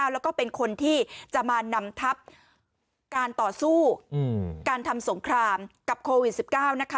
แล้วก็เป็นคนที่จะมานำทับการต่อสู้การทำสงครามกับโควิด๑๙นะคะ